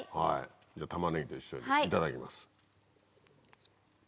じゃタマネギと一緒にいただきます。